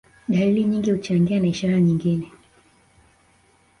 Dalili nyingi huchanganyika na ishara zingine